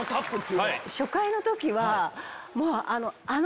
初回の時は。